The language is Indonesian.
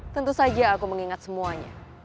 tentu saja aku mengingat semuanya